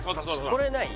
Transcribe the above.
これはない？